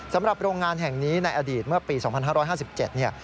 สำหรับโรงงานแห่งนี้ในอดีตเมื่อปี๒๕๕๗เนี่ย